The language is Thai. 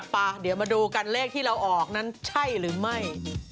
ไปเดี๋ยวมาดูกันเลขที่เราออกนั้นใช่หรือไม่